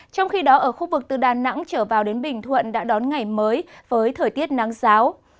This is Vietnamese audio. trong khi đó ở khu vực từ đà nẵng trở vào đến bình thuận đã đón ngày mới với thời tiết nắng giáo